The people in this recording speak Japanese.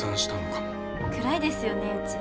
暗いですよねうち。